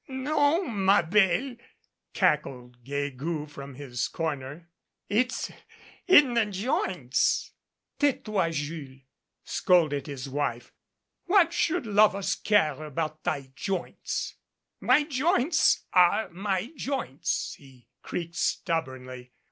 "Non, ma belle," cackled Guegou from his corner. "It's in the joints." "Tais toi, Jules," scolded his wife. "What should lovers care about thy joints." "My joints are my joints," he creaked stubbornly.